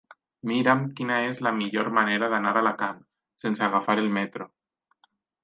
Mira'm quina és la millor manera d'anar a Alacant sense agafar el metro.